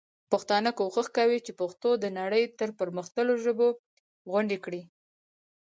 پښتانه کوښښ کوي چي پښتو د نړۍ د پر مختللو ژبو غوندي کړي.